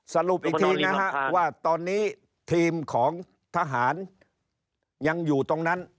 สรุปอีกทีนะฮะว่าตอนนี้ทีมของทหารยังอยู่ตรงนั้น